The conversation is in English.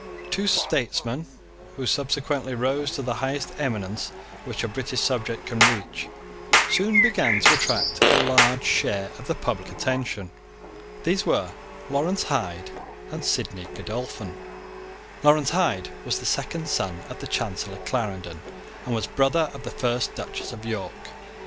Two statesmen, who subsequently rose to the highest eminence which a British subject can reach, soon began to attract a large share of the public attention. These were Lawrence Hyde and Sidney Godolphin. Lawrence Hyde was the second son of the Chancellor Clarendon, and was brother of the first Duchess of York.